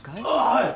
はい。